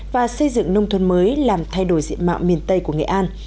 và xây dựng nông thuận mới làm thay đổi diện mạng miền tây của nghệ an